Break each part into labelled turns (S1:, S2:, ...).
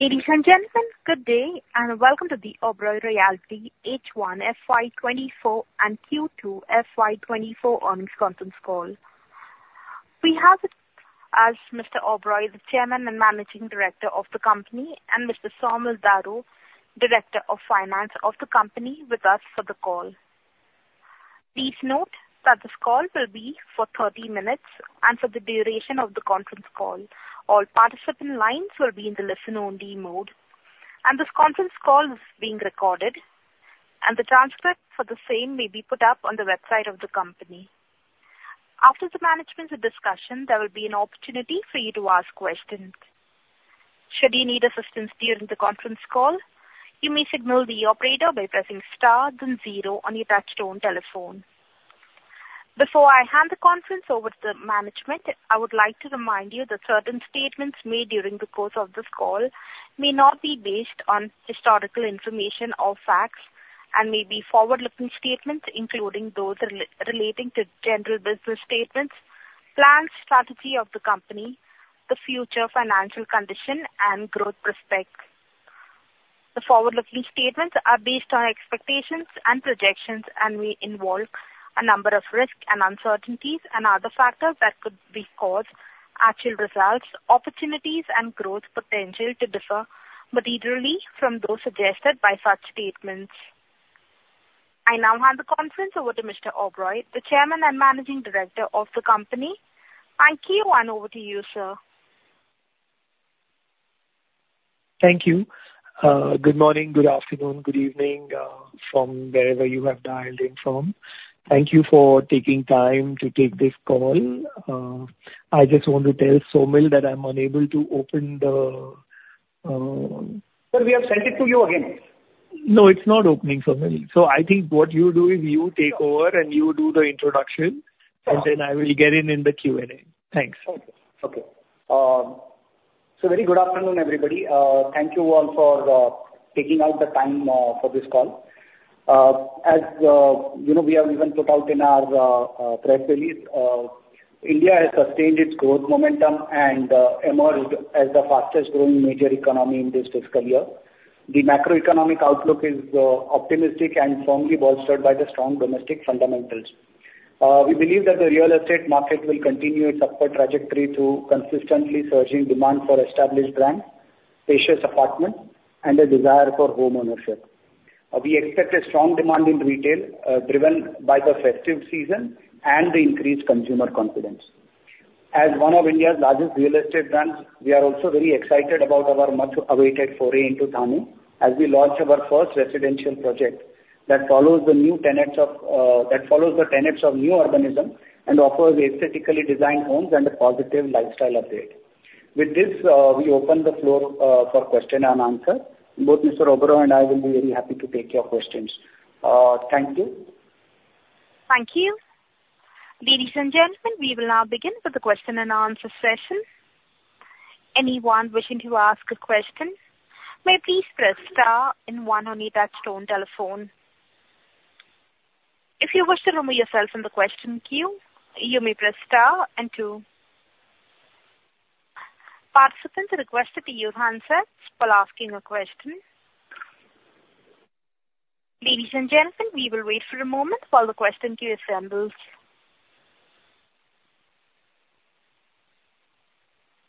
S1: Ladies and gentlemen, good day, and welcome to the Oberoi Realty H1 FY 2024 and Q2 FY 2024 earnings conference call. We have Mr. Oberoi, the Chairman and Managing Director of the company, and Mr. Saumil Daru, Director of Finance of the company, with us for the call. Please note that this call will be for 30 minutes, and for the duration of the conference call, all participant lines will be in the listen-only mode. And this conference call is being recorded, and the transcript for the same may be put up on the website of the company. After the management's discussion, there will be an opportunity for you to ask questions. Should you need assistance during the conference call, you may signal the operator by pressing star then zero on your touchtone telephone. Before I hand the conference over to the management, I would like to remind you that certain statements made during the course of this call may not be based on historical information or facts and may be forward-looking statements, including those relating to general business statements, planned strategy of the company, the future financial condition and growth prospects. The forward-looking statements are based on expectations and projections, and may involve a number of risks and uncertainties and other factors that could cause actual results, opportunities and growth potential to differ materially from those suggested by such statements. I now hand the conference over to Mr. Oberoi, the Chairman and Managing Director of the company. Q1 over to you, sir.
S2: Thank you. Good morning, good afternoon, good evening, from wherever you have dialed in from. Thank you for taking time to take this call. I just want to tell Saumil that I'm unable to open the,
S3: Sir, we have sent it to you again.
S2: No, it's not opening, Saumil. So I think what you do is you take over and you do the introduction-
S3: Sure.
S2: Then I will get in the Q&A. Thanks.
S3: Okay. Okay. So very good afternoon, everybody. Thank you all for taking out the time for this call. As you know, we have even put out in our press release, India has sustained its growth momentum and emerged as the fastest growing major economy in this fiscal year. The macroeconomic outlook is optimistic and firmly bolstered by the strong domestic fundamentals. We believe that the real estate market will continue its upward trajectory through consistently surging demand for established brands, spacious apartments, and a desire for homeownership. We expect a strong demand in retail, driven by the festive season and the increased consumer confidence. As one of India's largest real estate brands, we are also very excited about our much awaited foray into Thane, as we launch our first residential project that follows the tenets of New Urbanism and offers aesthetically designed homes and a positive lifestyle update. With this, we open the floor for question and answer. Both Mr. Oberoi and I will be very happy to take your questions. Thank you.
S1: Thank you. Ladies and gentlemen, we will now begin with the question and answer session. Anyone wishing to ask a question, may please press star and one on your touchtone telephone. If you wish to remove yourself from the question queue, you may press star and two. Participants are requested to use handsets while asking a question. Ladies and gentlemen, we will wait for a moment while the question queue assembles.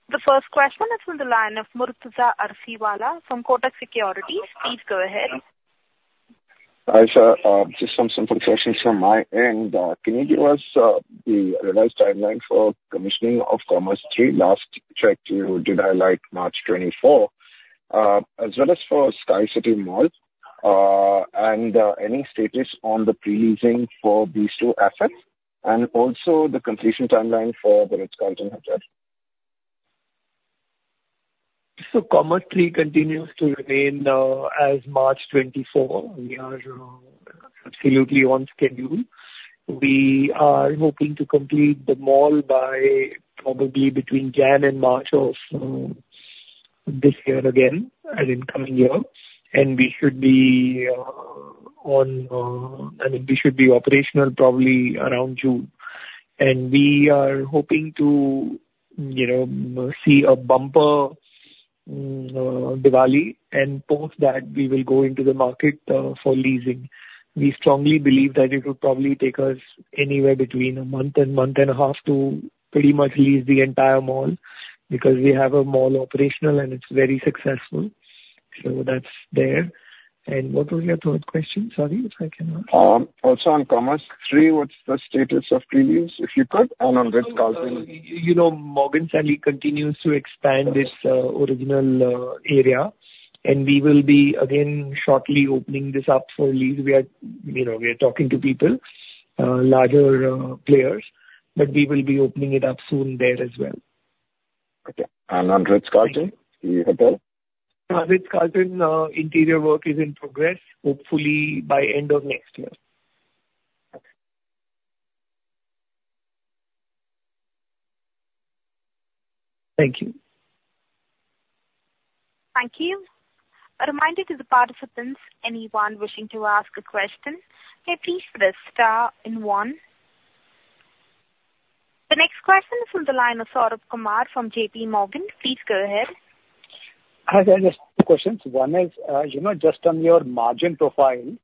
S1: The first question is from the line of Murtuza Arsiwalla from Kotak Securities. Please go ahead.
S4: Hi, sir. Just some simple questions from my end. Can you give us the revised timeline for commissioning of Commerz III? Last check you did highlight March 2024. As well as for Sky City Mall, and any status on the pre-leasing for these two assets, and also the completion timeline for the Ritz-Carlton hotel.
S2: So Commerz III continues to remain as March 2024. We are absolutely on schedule. We are hoping to complete the mall by probably between January and March of this year again, as in coming year. And we should be, I mean, we should be operational probably around June. And we are hoping to, you know, see a bumper Diwali, and post that, we will go into the market for leasing. We strongly believe that it will probably take us anywhere between a month and month and a half to pretty much lease the entire mall, because we have a mall operational and it's very successful. So that's there. And what was your third question? Sorry, if I can ask.
S4: Also on Commerz III, what's the status of pre-lease, if you could, and on Ritz-Carlton?
S2: You know, Morgan Stanley continues to expand its original area, and we will be again shortly opening this up for lease. We are, you know, we are talking to people larger players, but we will be opening it up soon there as well.
S4: Okay. On Ritz-Carlton, the hotel?
S2: Ritz-Carlton interior work is in progress, hopefully by end of next year.
S4: Thank you.
S1: Thank you. A reminder to the participants, anyone wishing to ask a question may please press star and one, on the line of Saurabh Kumar from JPMorgan. Please go ahead.
S5: Hi, I just have two questions. One is, you know, just on your margin profile,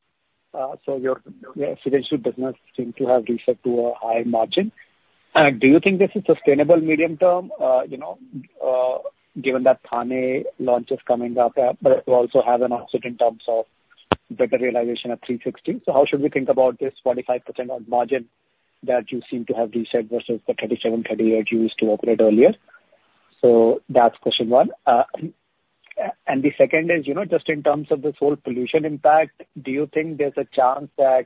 S5: so your, your residential business seem to have reset to a high margin. Do you think this is sustainable medium term, you know, given that Thane launch is coming up, but it also has an offset in terms of better realization at three sixty? So how should we think about this 45% on margin that you seem to have reset versus the 37-38 you used to operate earlier? So that's question one. And the second is, you know, just in terms of this whole pollution impact, do you think there's a chance that,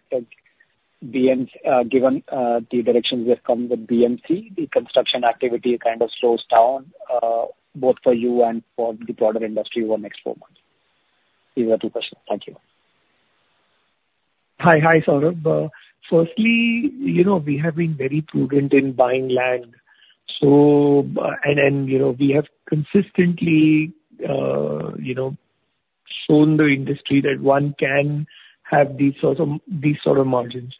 S5: BMC, given the directions that come with BMC, the construction activity kind of slows down, both for you and for the broader industry over the next four months? These are two questions. Thank you.
S2: Hi. Hi, Saurabh. Firstly, you know, we have been very prudent in buying land. So, you know, we have consistently, you know, shown the industry that one can have these sort of, these sort of margins.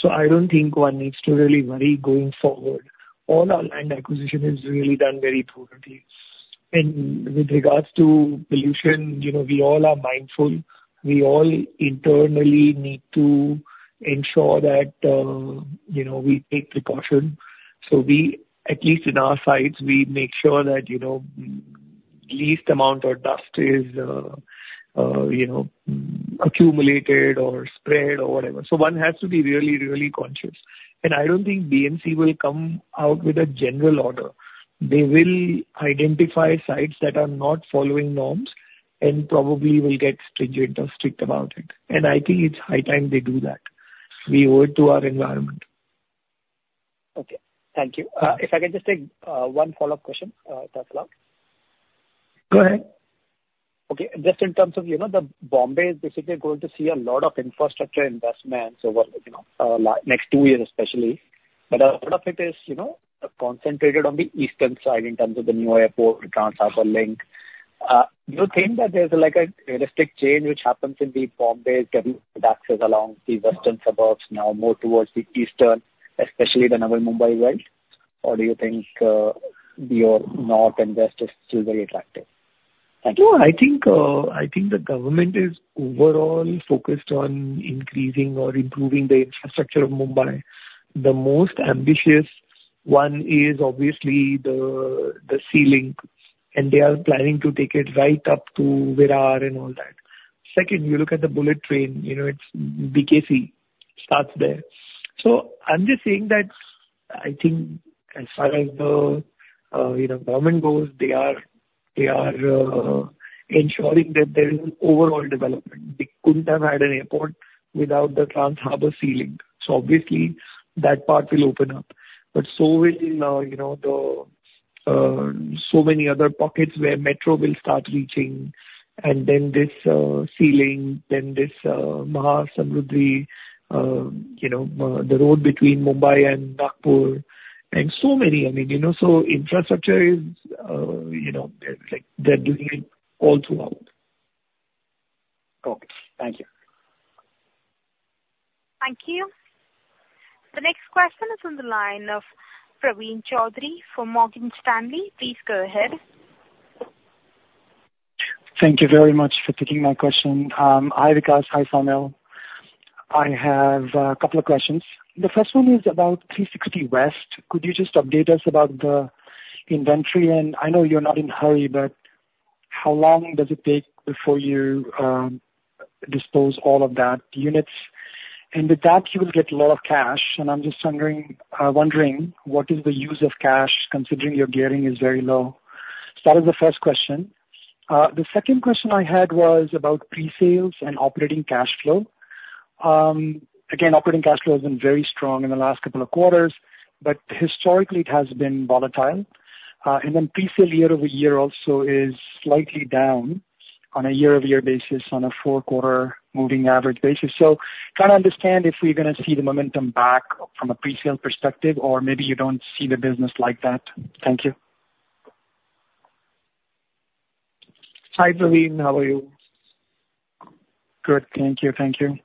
S2: So I don't think one needs to really worry going forward. All our land acquisition is really done very thoroughly. And with regards to pollution, you know, we all are mindful. We all internally need to ensure that, you know, we take precaution. So we, at least in our sites, we make sure that, you know, least amount of dust is, you know, accumulated or spread or whatever. So one has to be really, really conscious. And I don't think BMC will come out with a general order. They will identify sites that are not following norms and probably will get stringent or strict about it, and I think it's high time they do that. We owe it to our environment.
S5: Okay. Thank you. If I can just take one follow-up question, if that's allowed?
S2: Go ahead.
S5: Okay. Just in terms of, you know, the Bombay is basically going to see a lot of infrastructure investments over, you know, next two years especially. But a lot of it is, you know, concentrated on the eastern side in terms of the new airport, Trans-Harbor Link. Do you think that there's, like, a realistic change which happens in the Bombay axis along the western suburbs, now more towards the eastern, especially the Navi Mumbai belt? Or do you think, your north and west is still very attractive?
S2: No, I think, I think the government is overall focused on increasing or improving the infrastructure of Mumbai. The most ambitious one is obviously the sea link, and they are planning to take it right up to Virar and all that. Second, you look at the bullet train, you know, it's BKC, starts there. So I'm just saying that I think as far as the, you know, government goes, they are, they are, ensuring that there is an overall development. We couldn't have had an airport without the Trans-Harbor Link, so obviously that part will open up. But so will, you know, the, so many other pockets where metro will start reaching and then this sea link, then this, Maharashta Samruddhi, you know, the road between Mumbai and Nagpur and so many. I mean, you know, so infrastructure is, you know, like, they're doing it all throughout.
S5: Okay. Thank you.
S1: Thank you. The next question is on the line of Praveen Choudhary from Morgan Stanley. Please go ahead.
S6: Thank you very much for taking my question. Hi, Vikas. Hi, Saumil. I have a couple of questions. The first one is about Three Sixty West. Could you just update us about the inventory? And I know you're not in hurry, but how long does it take before you dispose all of that units? And with that, you will get a lot of cash, and I'm just wondering what is the use of cash, considering your gearing is very low? So that is the first question. The second question I had was about pre-sales and operating cash flow. Again, operating cash flow has been very strong in the last couple of quarters, but historically it has been volatile. And then pre-sale year-over-year also is slightly down on a year-over-year basis on a four-quarter moving average basis. Trying to understand if we're gonna see the momentum back from a pre-sale perspective, or maybe you don't see the business like that. Thank you.
S2: Hi, Praveen. How are you?
S6: Good. Thank you. Thank you.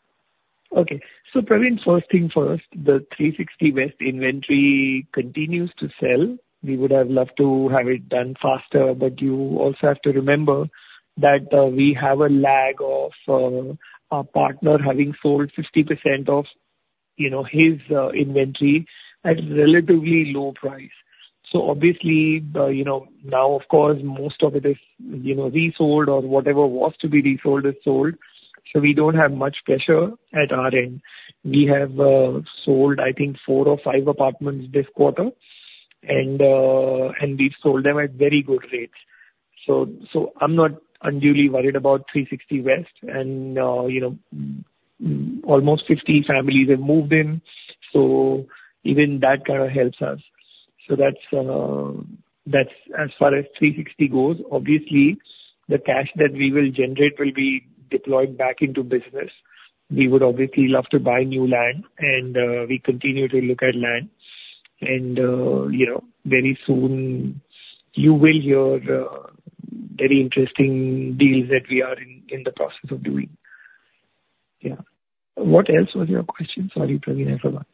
S2: Okay. So Praveen, first thing first, the Three Sixty West inventory continues to sell. We would have loved to have it done faster, but you also have to remember that we have a lag of our partner having sold 50% of, you know, his inventory at a relatively low price. So obviously, you know, now, of course, most of it is, you know, resold or whatever was to be resold is sold, so we don't have much pressure at our end. We have sold, I think, four or five apartments this quarter, and we've sold them at very good rates. So I'm not unduly worried about Three Sixty West. And, you know, almost 50 families have moved in, so even that kind of helps us. So that's as far as Three Sixty goes. Obviously, the cash that we will generate will be deployed back into business. We would obviously love to buy new land, and we continue to look at land and, you know, very soon you will hear very interesting deals that we are in the process of doing.... Yeah. What else was your question? Sorry, Praveen, I forgot.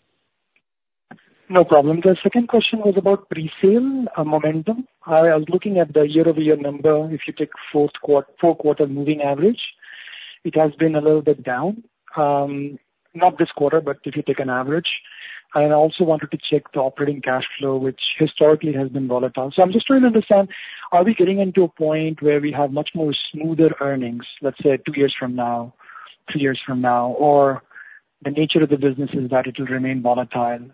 S6: No problem. The second question was about pre-sale momentum. I was looking at the year-over-year number. If you take four-quarter moving average, it has been a little bit down. Not this quarter, but if you take an average. I also wanted to check the operating cash flow, which historically has been volatile. So I'm just trying to understand, are we getting into a point where we have much more smoother earnings, let's say, two years from now, three years from now? Or the nature of the business is that it will remain volatile.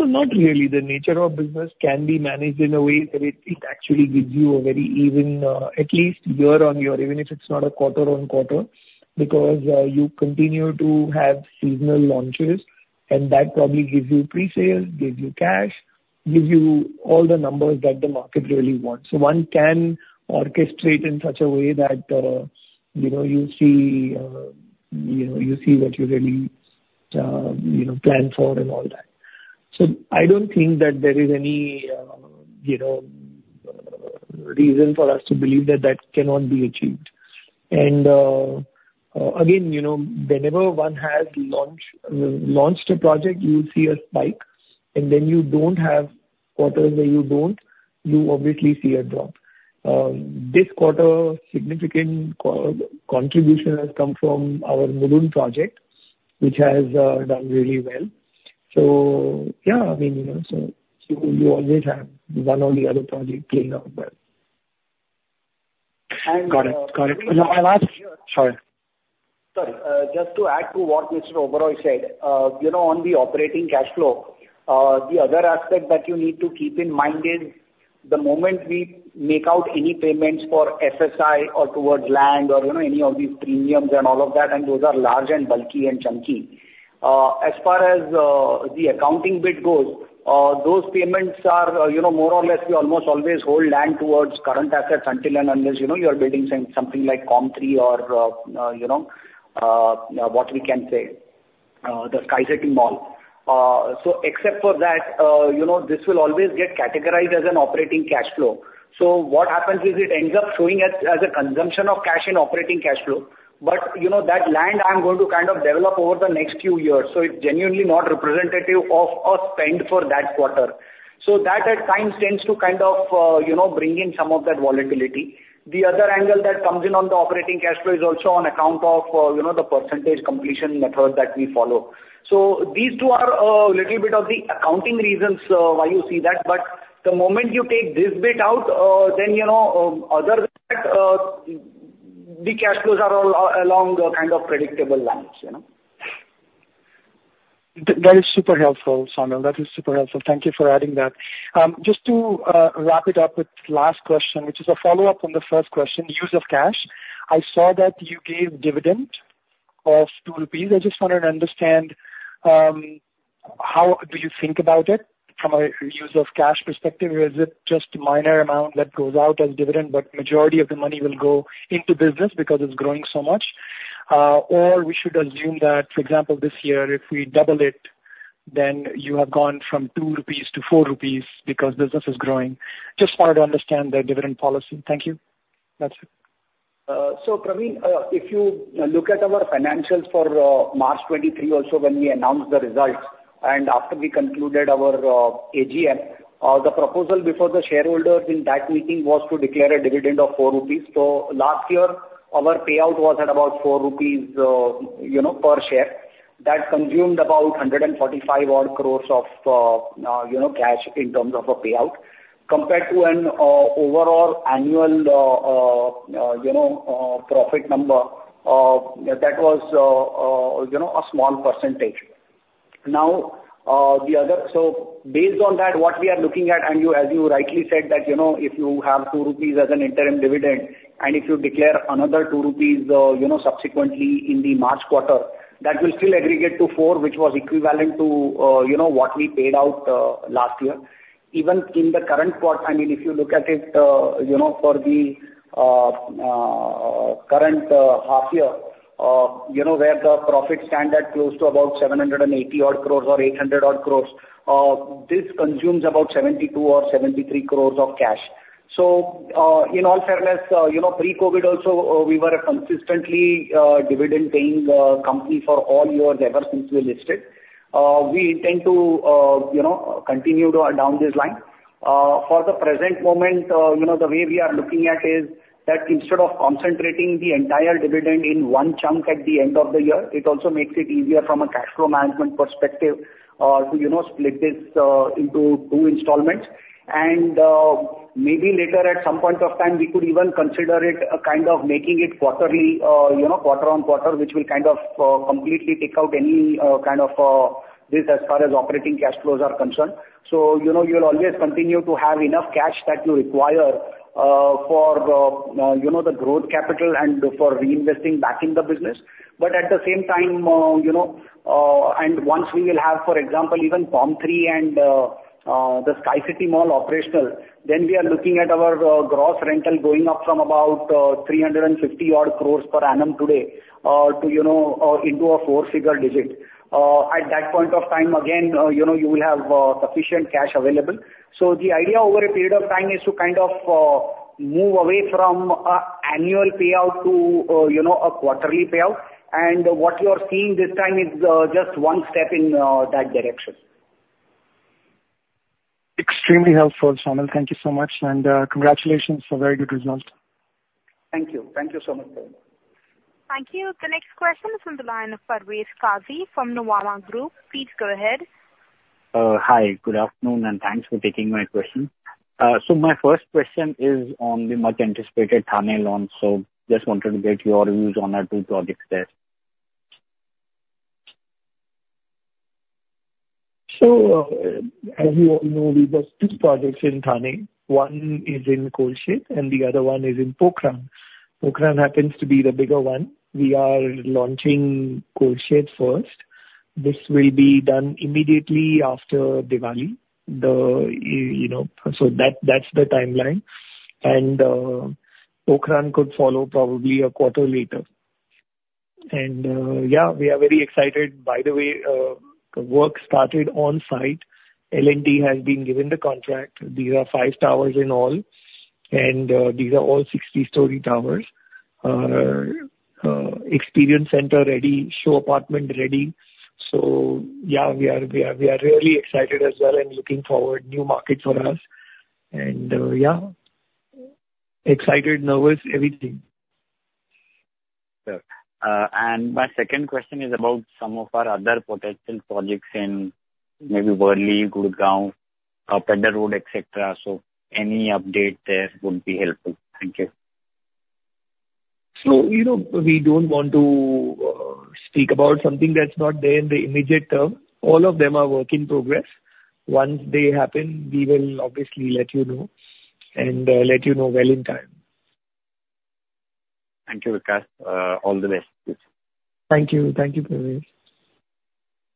S2: So not really. The nature of business can be managed in a way that it actually gives you a very even, at least year on year, even if it's not a quarter on quarter. Because you continue to have seasonal launches, and that probably gives you pre-sales, gives you cash, gives you all the numbers that the market really wants. So one can orchestrate in such a way that, you know, you see, you know, you see what you really, you know, plan for and all that. So I don't think that there is any, you know, reason for us to believe that that cannot be achieved. And again, you know, whenever one has launched a project, you see a spike, and then you don't have quarters where you don't, you obviously see a drop. This quarter, significant contribution has come from our Mulund project, which has done really well. So yeah, I mean, you know, so you, you always have one or the other project playing out well.
S6: Got it. Got it. One last... Sorry.
S3: Sorry. Just to add to what Mr. Oberoi said, you know, on the operating cash flow, the other aspect that you need to keep in mind is, the moment we make out any payments for FSI or towards land or, you know, any of these premiums and all of that, and those are large and bulky and chunky. As far as the accounting bit goes, those payments are, you know, more or less, we almost always hold land towards current assets until and unless, you know, you are building something like Commerz III or, you know, what we can say, the Sky City Mall. So except for that, you know, this will always get categorized as an operating cash flow. So what happens is, it ends up showing as a consumption of cash in operating cash flow. But, you know, that land, I'm going to kind of develop over the next few years, so it's genuinely not representative of a spend for that quarter. So that, at times, tends to kind of, you know, bring in some of that volatility. The other angle that comes in on the operating cash flow is also on account of, you know, the percentage completion method that we follow. So these two are a little bit of the accounting reasons why you see that, but the moment you take this bit out, then, you know, other than that, the cash flows are all along the kind of predictable lines, you know?
S6: That is super helpful, Sonal. That is super helpful. Thank you for adding that. Just to wrap it up with last question, which is a follow-up on the first question, use of cash. I saw that you gave dividend of 2 rupees. I just wanted to understand, how do you think about it from a use of cash perspective? Is it just a minor amount that goes out as dividend, but majority of the money will go into business because it's growing so much? Or we should assume that, for example, this year, if we double it, then you have gone from 2 rupees to 4 rupees because business is growing. Just wanted to understand the dividend policy. Thank you. That's it.
S3: So Praveen, if you look at our financials for March 2023, also when we announced the results and after we concluded our AGM, the proposal before the shareholders in that meeting was to declare a dividend of 4 rupees. So last year, our payout was at about 4 rupees, you know, per share. That consumed about 145 odd crores of you know, cash in terms of a payout. Compared to an overall annual you know, profit number, that was you know, a small percentage. Now, the other... Based on that, what we are looking at, and you, as you rightly said, that, you know, if you have two rupees as an interim dividend, and if you declare another two rupees, you know, subsequently in the March quarter, that will still aggregate to four, which was equivalent to, you know, what we paid out last year. Even in the current quarter, I mean, if you look at it, you know, for the current half year, you know, where the profits stand at close to about 780 crore or 800 crore, this consumes about 72 crore or 73 crore of cash. In all fairness, you know, pre-COVID also, we were a consistently dividend-paying company for all years ever since we listed. We intend to, you know, continue to down this line. For the present moment, you know, the way we are looking at is that instead of concentrating the entire dividend in one chunk at the end of the year, it also makes it easier from a cash flow management perspective to, you know, split this into two installments. And maybe later at some point of time, we could even consider it kind of making it quarterly, you know, quarter on quarter, which will kind of completely take out any kind of risk as far as operating cash flows are concerned. So, you know, you'll always continue to have enough cash that you require for the, you know, the growth capital and for reinvesting back in the business. But at the same time, you know, and once we will have, for example, even Commerz III and the Sky City Mall operational, then we are looking at our gross rental going up from about 350 odd crores per annum today to, you know, into a four-figure digit. At that point of time, again, you know, you will have sufficient cash available. So the idea over a period of time is to kind of move away from an annual payout to, you know, a quarterly payout. And what you are seeing this time is just one step in that direction....
S6: Extremely helpful, Saumil. Thank you so much, and, congratulations for very good results.
S3: Thank you. Thank you so much.
S1: Thank you. The next question is from the line of Parvez Qazi from Nuvama Group. Please go ahead.
S7: Hi, good afternoon, and thanks for taking my question. So my first question is on the much-anticipated Thane launch. So just wanted to get your views on the two projects there.
S2: So, as you all know, we've got two projects in Thane. One is in Kolshet, and the other one is in Pokhran. Pokhran happens to be the bigger one. We are launching Kolshet first. This will be done immediately after Diwali. You know, so that, that's the timeline. And, Pokhran could follow probably a quarter later. And, yeah, we are very excited. By the way, the work started on site. L&T has been given the contract. These are five towers in all, and, these are all 60-story towers. Experience center ready, show apartment ready. So yeah, we are really excited as well and looking forward, new market for us. And, yeah, excited, nervous, everything.
S7: Sure. My second question is about some of our other potential projects in maybe Worli, Gurgaon, Peddar Road, et cetera. Any update there would be helpful. Thank you.
S2: You know, we don't want to speak about something that's not there in the immediate term. All of them are work in progress. Once they happen, we will obviously let you know and let you know well in time.
S7: Thank you, Vikas. All the best.
S2: Thank you. Thank you, Parvez.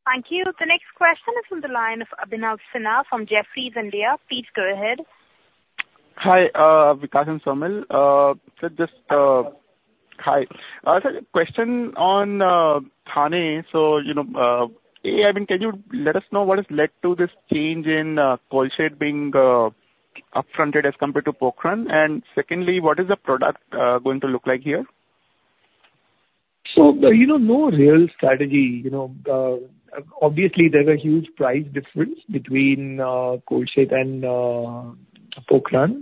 S1: Thank you. The next question is from the line of Abhinav Sinha from Jefferies India. Please go ahead.
S8: Hi, Vikas and Saumil. Hi. Sir, question on Thane. So, you know, I mean, can you let us know what has led to this change in Kolshet being upfronted as compared to Pokhran? And secondly, what is the product going to look like here?
S2: So, you know, no real strategy, you know. Obviously, there's a huge price difference between Kolshet and Pokhran.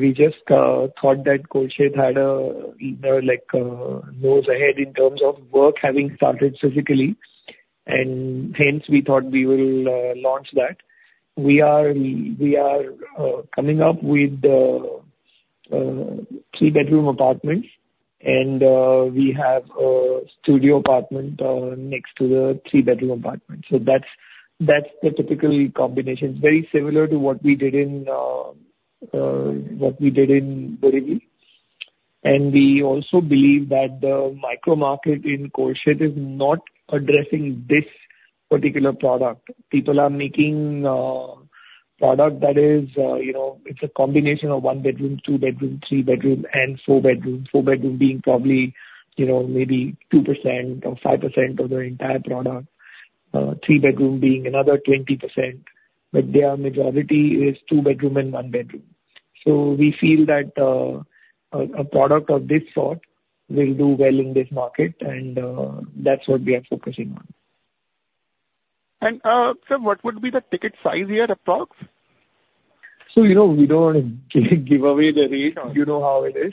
S2: We just thought that Kolshet had a, you know, like, nose ahead in terms of work having started physically, and hence, we thought we will launch that. We are coming up with three-bedroom apartments and we have a studio apartment next to the three-bedroom apartment. So that's the typical combination. It's very similar to what we did in Borivali. And we also believe that the micro market in Kolshet is not addressing this particular product. People are making product that is, you know, it's a combination of one-bedroom, two-bedroom, three-bedroom, and four-bedroom. Four-bedroom being probably, you know, maybe 2% or 5% of the entire product. Three-bedroom being another 20%, but their majority is two-bedroom and one-bedroom. So we feel that a product of this sort will do well in this market, and that's what we are focusing on.
S8: Sir, what would be the ticket size here, approx?
S2: So, you know, we don't give away the rate. You know how it is.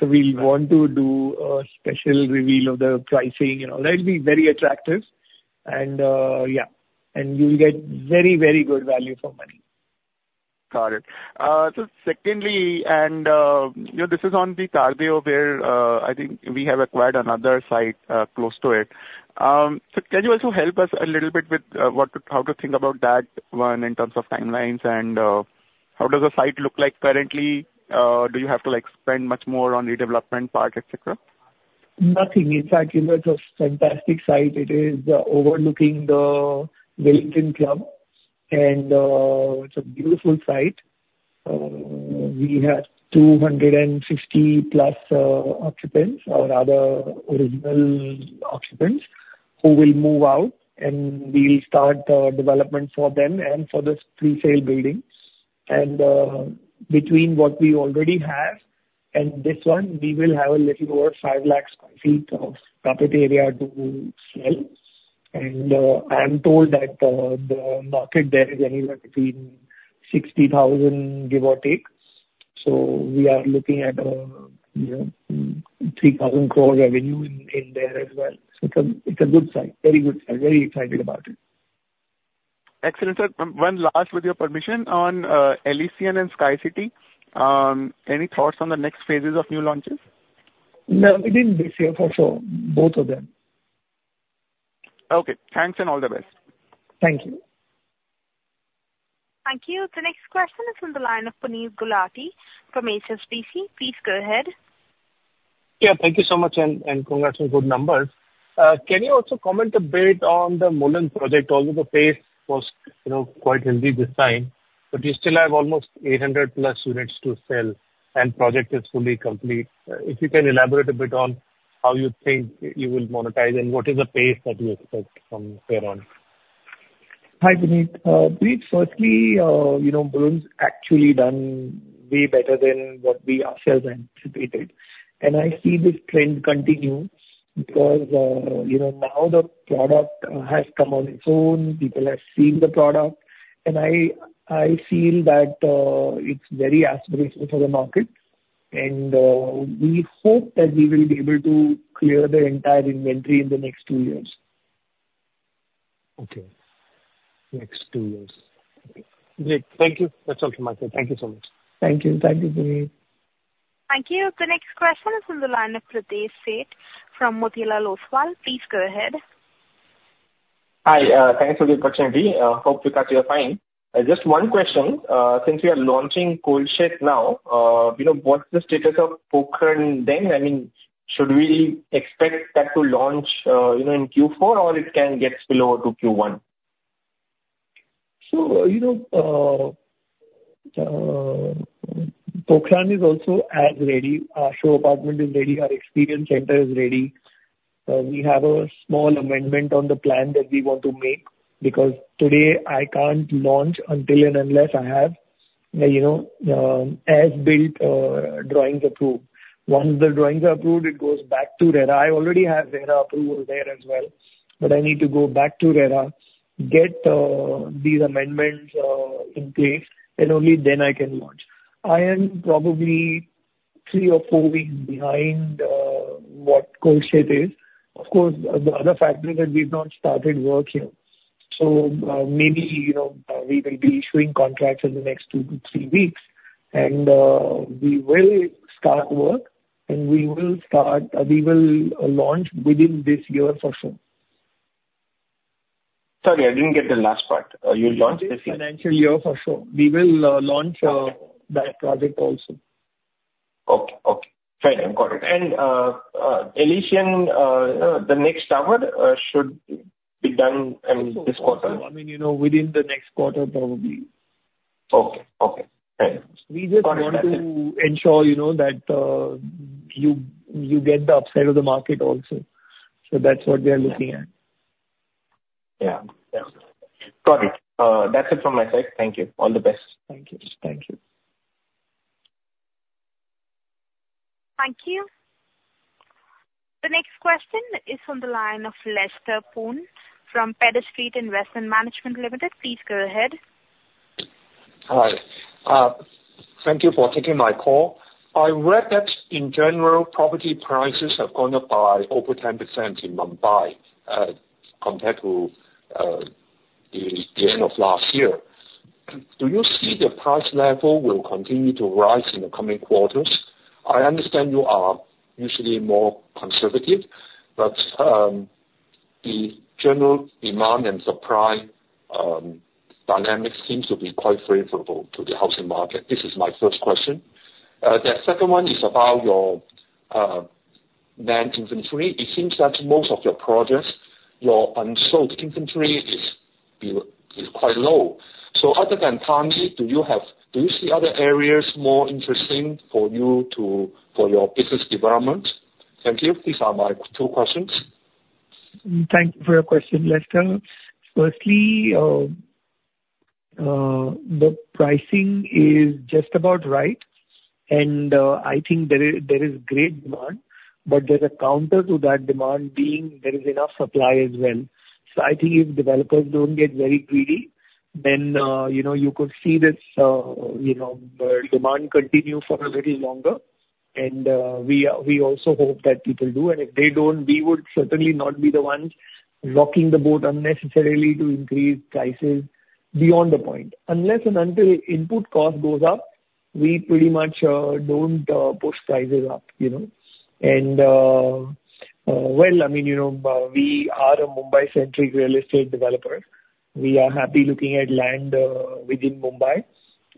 S2: So we want to do a special reveal of the pricing, and that'll be very attractive. And, yeah, and you'll get very, very good value for money.
S8: Got it. So secondly, and, you know, this is on the Tardeo, where, I think we have acquired another site, close to it. So can you also help us a little bit with, what to—how to think about that one in terms of timelines, and, how does the site look like currently? Do you have to, like, spend much more on the development part, et cetera?
S2: Nothing. In fact, you know, it's a fantastic site. It is overlooking the Willingdon Club, and it's a beautiful site. We have 260 plus, you know, occupants, or rather original occupants, who will move out, and we will start development for them and for the three sail buildings. Between what we already have and this one, we will have a little over five lakh complete of carpet area to sell. I am told that the market there is anywhere between 60,000, give or take. We are looking at, you know, 3,000 crore revenue in there as well. It's a good site, very good site. Very excited about it.
S8: Excellent, sir. One last, with your permission, on Elysian and Sky City. Any thoughts on the next phases of new launches?
S2: No, within this year for sure, both of them.
S8: Okay. Thanks, and all the best.
S2: Thank you.
S1: Thank you. The next question is from the line of Puneet Gulati from HSBC. Please go ahead.
S9: Yeah, thank you so much, and congrats on good numbers. Can you also comment a bit on the Mulund project? Although the pace was, you know, quite healthy this time, but you still have almost 800+ units to sell, and project is fully complete. If you can elaborate a bit on how you think you will monetize, and what is the pace that you expect from thereon?
S2: Hi, Puneet. We've firstly, you know, Mulund's actually done way better than what we ourselves anticipated. I see this trend continue because, you know, now the product has come on its own. People have seen the product, and I, I feel that, it's very aspirational for the market.... We hope that we will be able to clear the entire inventory in the next two years.
S9: Okay. Next two years. Great. Thank you. That's all from my side. Thank you so much.
S2: Thank you. Thank you, Puneet.
S1: Thank you. The next question is from the line of Pritesh Sheth from Motilal Oswal. Please go ahead.
S10: Hi, thanks for the opportunity. Hope you guys are fine. Just one question. Since we are launching Kolshet now, you know, what's the status of Pokhran then? I mean, should we expect that to launch, you know, in Q4, or it can get spill over to Q1?
S2: So, you know, Pokhran is also as ready. Our show apartment is ready, our experience center is ready. We have a small amendment on the plan that we want to make, because today I can't launch until and unless I have, you know, as-built drawings approved. Once the drawings are approved, it goes back to RERA. I already have RERA approval there as well, but I need to go back to RERA, get these amendments in place, and only then I can launch. I am probably three or four weeks behind what Kolshet is. Of course, the other factor is that we've not started work here, so, maybe, you know, we will be issuing contracts in the next two to three weeks, and we will start work, and we will launch within this year for sure.
S10: Sorry, I didn't get the last part. You'll launch this year?
S2: Financial year for sure. We will, launch-
S10: Okay.
S2: That project also.
S10: Okay. Okay, fair enough. Got it. Elysian, the next tower, should be done in this quarter?
S2: I mean, you know, within the next quarter, probably.
S10: Okay. Okay, thanks.
S2: We just want to ensure, you know, that you get the upside of the market also. So that's what we are looking at.
S10: Yeah. Yeah. Got it. That's it from my side. Thank you. All the best.
S2: Thank you. Thank you.
S1: Thank you. The next question is from the line of Lester Poon from Pedder Street Investment Management Limited. Please go ahead.
S11: Hi. Thank you for taking my call. I read that in general, property prices have gone up by over 10% in Mumbai, compared to the end of last year. Do you see the price level will continue to rise in the coming quarters? I understand you are usually more conservative, but the general demand and supply dynamics seems to be quite favorable to the housing market. This is my first question. The second one is about your land inventory. It seems that most of your projects, your unsold inventory is quite low. So other than Thane, do you have-- do you see other areas more interesting for you to... for your business development? Thank you. These are my two questions.
S2: Thank you for your question, Lester. Firstly, the pricing is just about right, and I think there is, there is great demand, but there's a counter to that demand, being there is enough supply as well. So I think if developers don't get very greedy, then you know, you could see this, you know, the demand continue for a little longer. And we, we also hope that people do, and if they don't, we would certainly not be the ones rocking the boat unnecessarily to increase prices beyond the point. Unless and until input cost goes up, we pretty much don't push prices up, you know? And well, I mean, you know, we are a Mumbai-centric real estate developer. We are happy looking at land within Mumbai,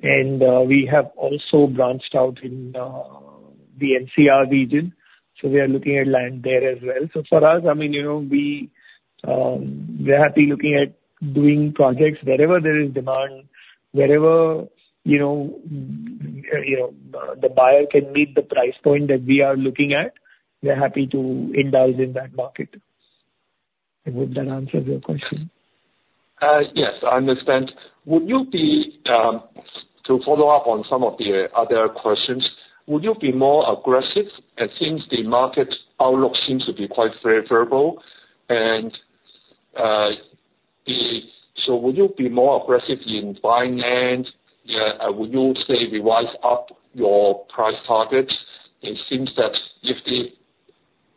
S2: and we have also branched out in the NCR region. So we are looking at land there as well. So for us, I mean, you know, we are happy looking at doing projects wherever there is demand, wherever, you know, you know, the buyer can meet the price point that we are looking at, we're happy to indulge in that market. I hope that answers your question.
S11: Yes, I understand. Would you be... To follow up on some of the other questions, would you be more aggressive, as since the market outlook seems to be quite favorable? And, so would you be more aggressive in buying land? Would you say revise up your price targets? It seems that if the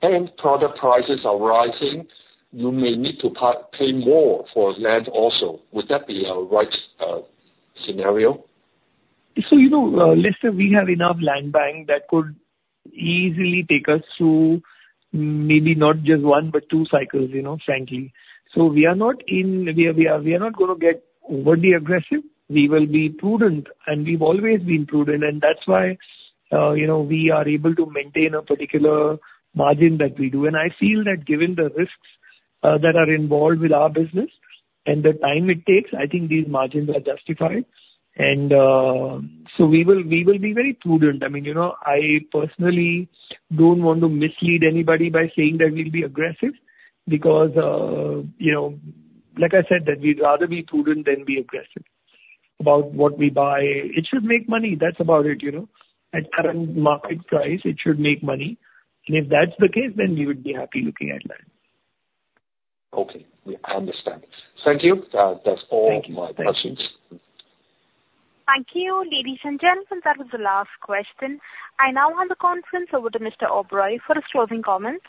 S11: end product prices are rising, you may need to pay more for land also. Would that be a right scenario?
S2: So, you know, Lester, we have enough land bank that could easily take us through maybe not just one, but two cycles, you know, frankly. So we are not going to get overly aggressive. We will be prudent, and we've always been prudent, and that's why, you know, we are able to maintain a particular margin that we do. And, so we will be very prudent. I mean, you know, I personally don't want to mislead anybody by saying that we'll be aggressive because, you know, like I said, that we'd rather be prudent than be aggressive about what we buy. It should make money, that's about it, you know? At current market price, it should make money, and if that's the case, then we would be happy looking at land.
S11: Okay, yeah, I understand. Thank you.
S2: Thank you.
S11: That's all my questions.
S1: Thank you, ladies and gentlemen. That was the last question. I now hand the conference over to Mr. Oberoi for his closing comments.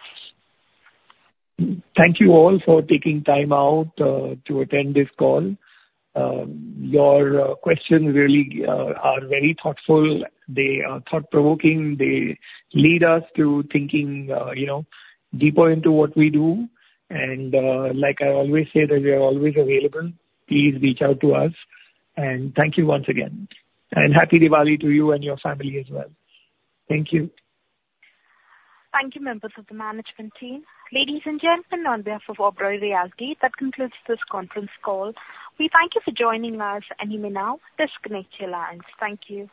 S2: Thank you all for taking time out to attend this call. Your questions really are very thoughtful. They are thought-provoking. They lead us to thinking, you know, deeper into what we do. Like I always say, that we are always available, please reach out to us, and thank you once again. Happy Diwali to you and your family as well. Thank you.
S1: Thank you, members of the management team. Ladies and gentlemen, on behalf of Oberoi Realty, that concludes this conference call. We thank you for joining us, and you may now disconnect your lines. Thank you.